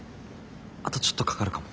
あとちょっとかかるかも。